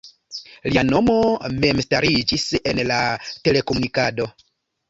Lia nomo memstariĝis en la telekomunikado.